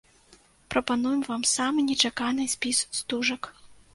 Прапануем вам самы нечаканы спіс стужак.